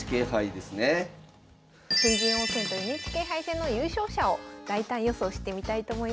新人王戦とＮＨＫ杯戦の優勝者を大胆予想してみたいと思います。